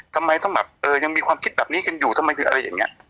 ทำไมต้องแบบเออยังมีความคิดแบบนี้กันอยู่ทำไมคืออะไรอย่างนี้